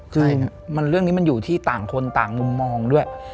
คือเรื่องนี้มันอยู่ที่ต่างคนต่างมุมมองด้วย